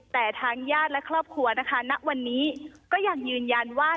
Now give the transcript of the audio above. แต่ทางญาติและครอบครัวนะคะณวันนี้ก็ยังยืนยันว่า